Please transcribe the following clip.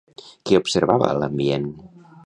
Què observava a l'ambient?